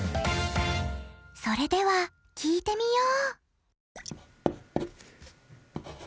それでは聞いてみよ。